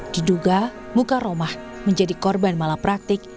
diduga muka romah menjadi korban malapraktik